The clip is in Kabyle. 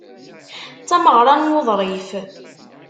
D tameɣra n wuḍrif.